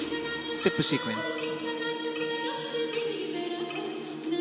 ステップシークエンス。